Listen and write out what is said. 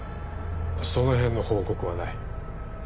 そのへんの報告はない。